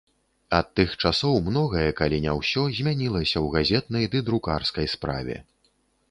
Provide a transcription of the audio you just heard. Ад тых часоў многае, калі не ўсё, змянілася ў газетнай ды друкарскай справе.